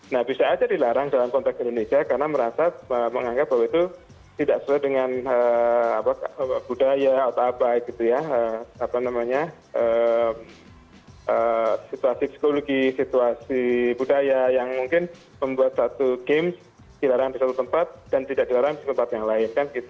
nah bisa aja dilarang dalam konteks indonesia karena merasa menganggap bahwa itu tidak sesuai dengan budaya atau abai situasi psikologi situasi budaya yang mungkin membuat satu games dilarang di satu tempat dan tidak dilarang di tempat yang lain